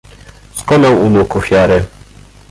"Skonał u nóg ofiary."